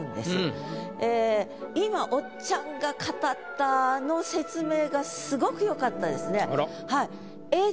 今おっちゃんが語ったあの説明がすごくよかったですね。